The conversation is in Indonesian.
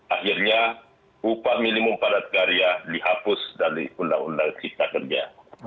akhirnya upah minimum padat karya dihapus dari undang undang cipta kerja